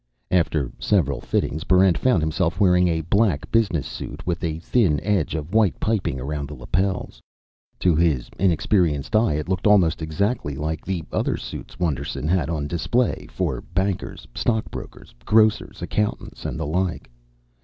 After several fittings, Barrent found himself wearing a black business suit with a thin edge of white piping around the lapels. To his inexperienced eye it looked almost exactly like the other suits Wonderson had on display for bankers, stock brokers, grocers, accountants, and the like.